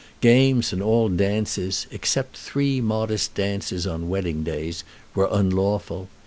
Games and all dances, 'except three modest dances on wedding days,' were unlawful....